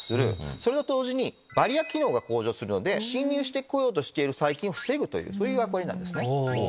それと同時にバリア機能が向上するので侵入してこようとしている細菌を防ぐ役割なんですね。